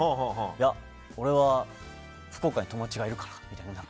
いや、俺は福岡に友達がいるからみたいな。